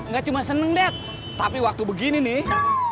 gak cuma seneng deh tapi waktu begini nih